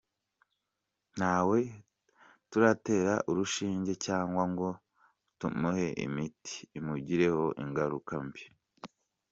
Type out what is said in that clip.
Ntawe turatera urushinge cyangwa ngo tumuhe imiti imugireho ingaruka mbi.